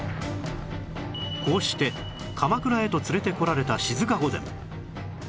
こうして鎌倉へと連れてこられた静御前